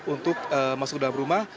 untuk masuk ke dalam rumah